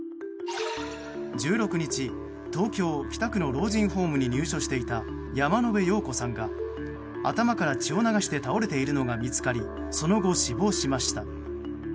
１６日、東京・北区の老人ホームに入所していた山野辺陽子さんが頭から血を流して倒れているのが見つかりその後、死亡しました。